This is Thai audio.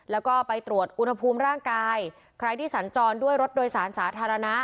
แล้วก็ไปตรวจอุณหภูมิร่างกายใครที่สัญจรด้วยรถโดยสารสาธารณะ